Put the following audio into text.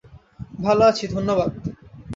ভালো আছি, ধন্যবাদ।